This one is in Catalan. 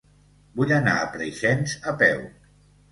Vull anar a Preixens a peu.